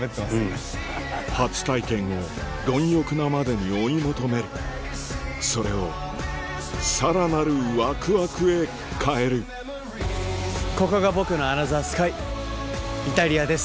初体験を貪欲なまでに追い求めるそれをさらなるワクワクへ変えるここが僕のアナザースカイイタリアです。